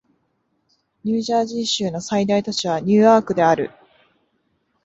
ニュージャージー州の最大都市はニューアークである